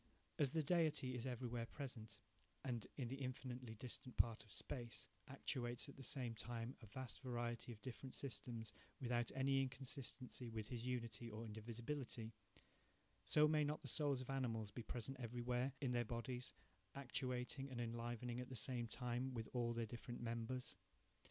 As the Deity is everywhere present, and, in the infinitely distant part of space, actuates at the same time a vast variety of different systems without any inconsistency with his unity or indivisibility; so may not the souls of animals be present everywhere in their bodies, actuating and enlivening at the same time with all their different members?